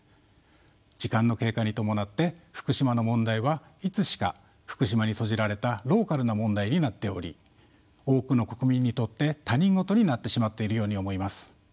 時間の経過に伴って福島の問題はいつしか福島に閉じられたローカルな問題になっており多くの国民にとって他人事になってしまっているように思います。